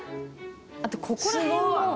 あとここら辺も。